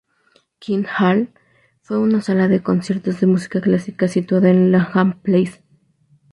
Queen's Hall fue una sala de conciertos de música clásica situada en Langham Place.